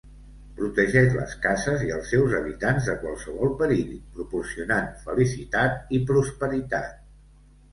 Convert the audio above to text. Protegeix les cases i als seus habitants de qualsevol perill, proporcionant felicitat i prosperitat.